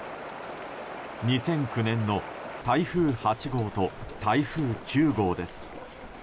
２００９年の台風８号と台風９号です。